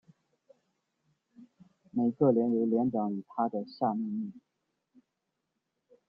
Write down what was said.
每个连由连长与他的下命令。